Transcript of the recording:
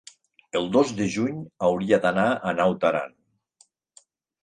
el dos de juny hauria d'anar a Naut Aran.